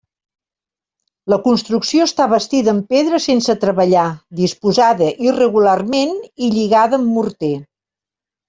La construcció està bastida en pedra sense treballar disposada irregularment i lligada amb morter.